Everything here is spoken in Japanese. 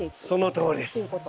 そのとおりです。